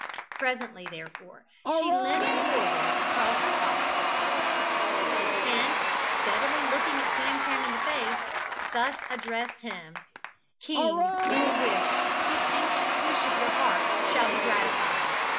Presently, therefore, she leant forward across her father, and, steadily looking Famcram in the face, thus addressed him: "King, your wish the anxious wish of your heart shall be gratified.